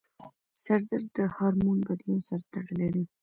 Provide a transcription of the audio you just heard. سردرد د هارمون بدلون سره تړلی دی.